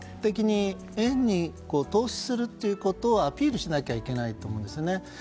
円に投資するということをアピールしなきゃいけないと思うんですね。